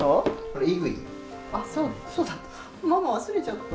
あっそうだった。